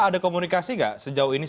ada komunikasi nggak sejauh ini